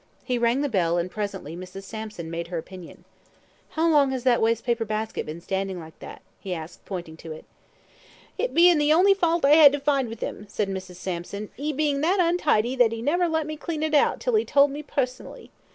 He rang the bell, and presently Mrs. Sampson made her appearance. "How long has that waste paper basket been standing like that?" he asked, pointing to it. "It bein' the only fault I 'ad to find with 'im," said Mrs. Sampson, "'e bein' that untidy that 'e a never let me clean it out until 'e told me pussonly.